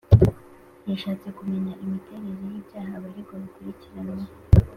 yashatse kumenya imiterere y’ibyaha abaregwa bakuriranyweho